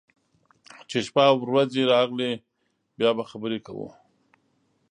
چې شپه او رځې راغلې، بیا به خبرې کوو.